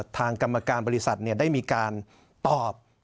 ทางกรรมการบริษัทได้มีการตอบ